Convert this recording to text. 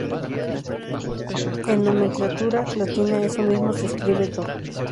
En nomenclatura latina eso mismo se escribe Do.